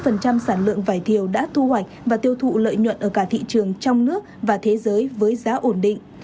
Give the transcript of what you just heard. sản lượng vải thiều đã thu hoạch và tiêu thụ lợi nhuận ở cả thị trường trong nước và thế giới với giá ổn định